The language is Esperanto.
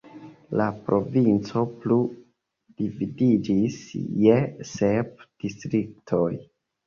La provinco plu dividiĝis je sep distriktoj.